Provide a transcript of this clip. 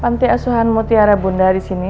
panti asuhan mutiara bunda disini